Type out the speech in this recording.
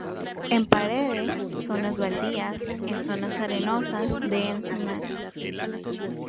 En paredes, zonas baldías, en zonas arenosas de encinares.